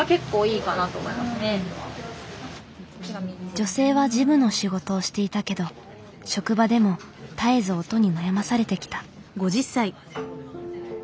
女性は事務の仕事をしていたけど職場でも絶えず音に悩まされてきた。